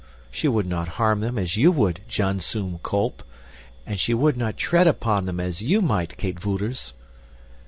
Humph! She would not harm them, as you would, Janzoon Kolp, and she would not tread upon them, as you might, Kate Wouters."